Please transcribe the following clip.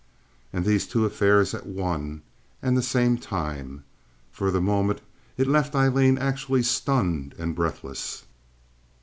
And these two affairs at one and the same time. For the moment it left Aileen actually stunned and breathless.